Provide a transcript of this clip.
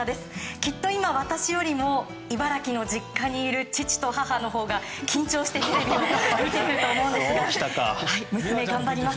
きっと今、私よりも茨城の実家にいる父と母のほうが緊張してみていると思いますが娘、頑張ります！